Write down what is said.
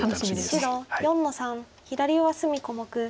白４の三左上隅小目。